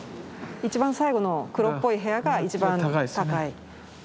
一番最後の黒っぽい部屋が一番高い。